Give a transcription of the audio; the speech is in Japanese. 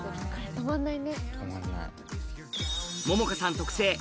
止まんない。